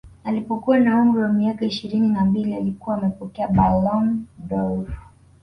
Alipokuwa na umri wa miaka ishirini na mbili alikuwa amepokea Ballon dOr